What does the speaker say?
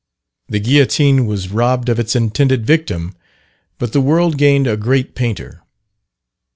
The guillotine was robbed of its intended victim, but the world gained a great painter.